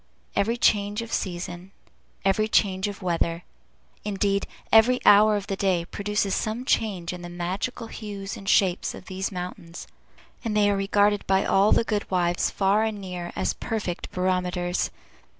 Every change of season, every change of weather, indeed, every hour of the day produces some change in the magical hues and shapes of these mountains; and they are regarded by all the good wives, far and near, as perfect barometers.